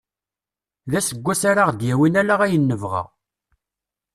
D aseggas ara aɣ-d-yawin ala ayen nebɣa.